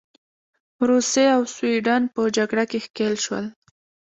روسیې او سوېډن په جګړه کې ښکیل شول.